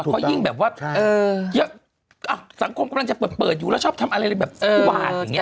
เขายิ่งแบบว่าสังคมกำลังจะเปิดอยู่แล้วชอบทำอะไรแบบอุบาตอย่างนี้